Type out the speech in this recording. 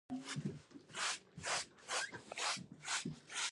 آیا یو متل نه وايي: غر که لوړ دی په سر یې لاره ده؟